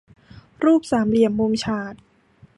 รูปสามเหลี่ยมมุมฉาก